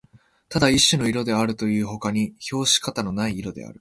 ただ一種の色であるというよりほかに評し方のない色である